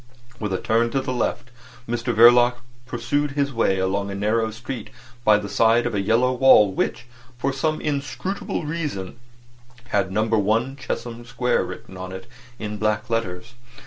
With a turn to the left Mr Verloc pursued his way along a narrow street by the side of a yellow wall which, for some inscrutable reason, had No. 1 Chesham Square written on it in black letters.